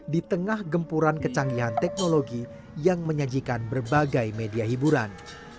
di tengah gempuran kecanggihan teknologi yang menyajikan berbagai media hiburan